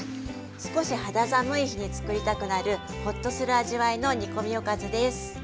少し肌寒い日につくりたくなるほっとする味わいの煮込みおかずです。